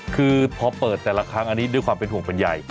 คือพอเปิดแต่ละครั้งอันนี้ด้วยความเป็นห่วงเป็นใหญ่